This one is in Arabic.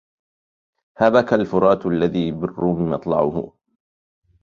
هبك الفرات الذي بالروم مطلعه